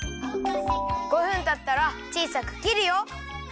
５分たったらちいさくきるよ。